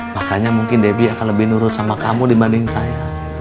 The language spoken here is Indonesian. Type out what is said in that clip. makanya mungkin debbie akan lebih nurut sama kamu dibanding saya